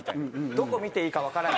どこ見ていいかわからない。